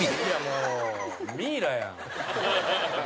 「もうミイラやん」